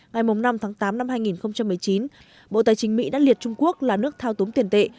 ngày năm tháng tám năm hai nghìn một mươi chín bộ tài chính mỹ đã liệt trung quốc là nước thao túng tiền tệ